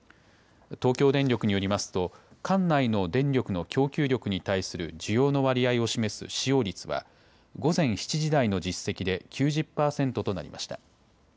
東京電力によりますと管内の電力の供給力に対する需要の割合を示す使用率は午前７時台の実績で９０％となりました。